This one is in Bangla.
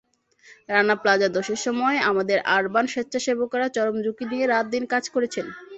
রানা প্লাজাধসের সময় আমাদের আরবান স্বেচ্ছাসেবকেরা চরম ঝুঁকি নিয়ে রাত-দিন কাজ করেছেন।